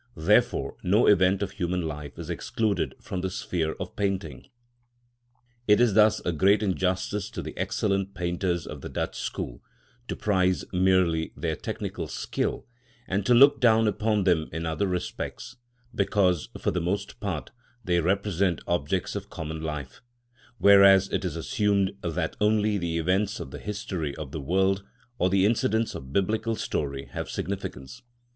Therefore no event of human life is excluded from the sphere of painting. It is thus a great injustice to the excellent painters of the Dutch school, to prize merely their technical skill, and to look down upon them in other respects, because, for the most part, they represent objects of common life, whereas it is assumed that only the events of the history of the world, or the incidents of biblical story, have significance.